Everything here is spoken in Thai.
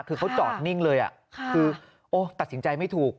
คือเขาจอดนิ่งเลยคือโอ้ตัดสินใจไม่ถูก